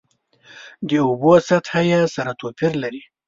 د اوبو سطحه یې سره توپیر لري.